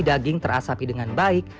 daging terasapi dengan baik